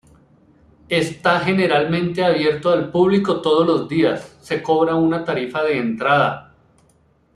Está generalmente abierto al público todos los días, se cobra una tarifa de entrada.